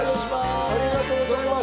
ありがとうございます。